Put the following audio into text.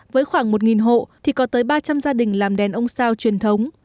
với khoảng một hộ thì có tới ba trăm linh gia đình làm đèn ông sao truyền thống